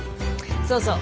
そうそう。